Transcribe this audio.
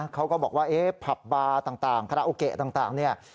เขาก็บอกว่าเผบบาต่างคราโอเก่ต่าง